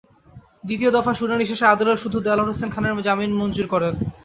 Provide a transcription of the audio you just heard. দ্বিতীয় দফা শুনানি শেষে আদালত শুধু দেলোয়ার হোসেন খানের জামিন মঞ্জুর করেন।